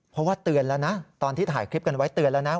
เพราะว่าเตือนแล้วนะตอนที่ถ่ายคลิปกันไว้เตือนแล้วนะ